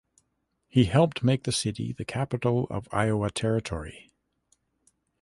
He helped make the city the capital of Iowa Territory.